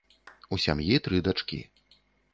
У сям'і тры дачкі.